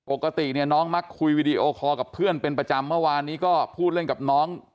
ปกติเนี่ยน้องมักคุยวิดีโอคอร์กับเพื่อนเป็นประจำเมื่อวานนี้ก็พูดเล่นกับน้อง